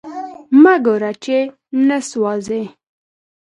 مه ګوره چی نه سوازی